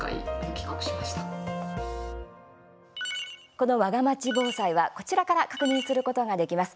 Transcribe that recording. この、わがまち防災はこちらから確認することができます。